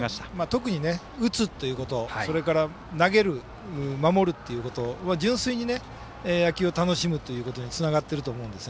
特に打つということそれから投げる守るということは純粋に野球を楽しむということにつながっていると思います。